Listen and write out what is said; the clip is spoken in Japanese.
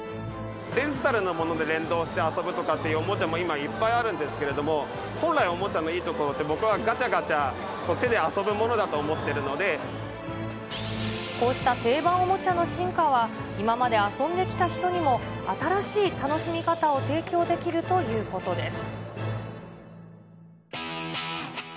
デジタルなもので連動して遊ぶとかいうおもちゃも今いっぱいあるんですけど、本来おもちゃのいいところって、僕はがちゃがちゃ、手で遊ぶものだと思ってるのこうした定番おもちゃの進化は、今まで遊んできた人にも新しい楽しみ方を提供できるということです。